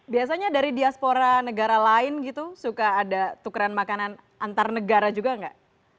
biasanya dari diaspora negara lain gitu suka ada tukeran makanan antar negara juga nggak